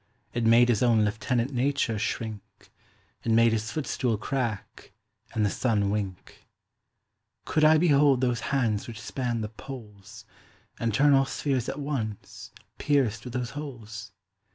It made his owne Lieutenant Nature shrinke, It made his footstoole crack, and the Sunne winke. Could I behold those hands which span the Poles, And turne all spheares at once, peirc'd with those holes?